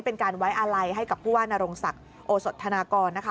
เป็นการไว้อาลัยให้กับผู้ว่านรงศักดิ์โอสดธนากรนะคะ